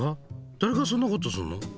だれがそんなことするの？